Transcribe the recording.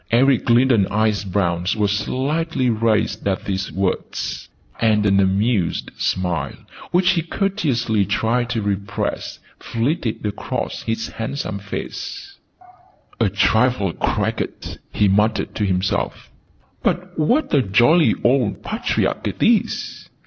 Eric Lindon's eye brows were slightly raised at these words, and an amused smile, which he courteously tried to repress, flitted across his handsome face: "A trifle cracked!" he muttered to himself. "But what a jolly old patriarch it is!"